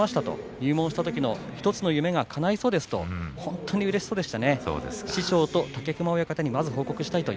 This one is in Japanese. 入門したときの１つの夢がかないそうですと本当にうれしそうでした。